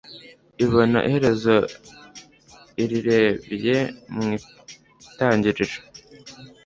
Ibona iherezo irirebcye mu itangiriro,